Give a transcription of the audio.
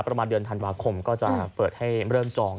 ประมาณเดือนธันวาคมก็จะเปิดให้เริ่มจอง